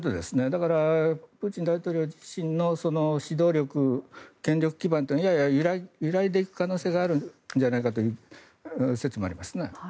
だから、プーチン大統領自身の指導力、権力基盤がやや揺らいでいく可能性があるんじゃないかという説もありますね。